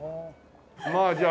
まあじゃあ